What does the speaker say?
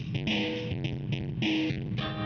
terima kasih chandra